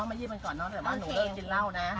ไหนยิ้มใส่สวย